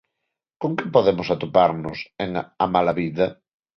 Con que podemos atoparnos en "A mala vida"?